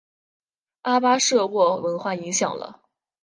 阿巴舍沃文化影响了。